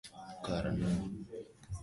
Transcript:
karne ya kumi na tatu Umoja wa kikabila wa